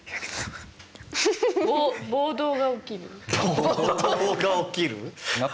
暴動が起きる？